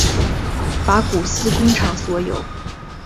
法古斯工厂所有。